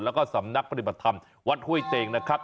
แล้วก็สำนักปฏิบัติธรรมวัดห้วยเตงนะครับ